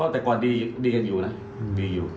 แต่ก่อนดีกันอยู่นะดีอยู่